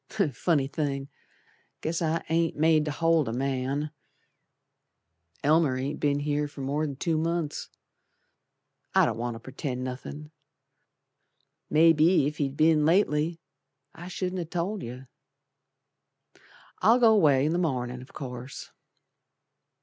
Funny thing! Guess I ain't made to hold a man. Elmer ain't be'n here for mor'n two months. I don't want to pretend nothin', Mebbe if he'd be'n lately I shouldn't have told yer. I'll go away in the mornin', o' course.